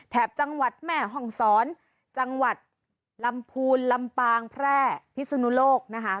จังหวัดแม่ห้องศรจังหวัดลำพูนลำปางแพร่พิสุนุโลกนะคะ